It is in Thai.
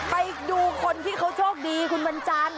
ไปดูคนที่เขาโชคดีคุณวันจันทร์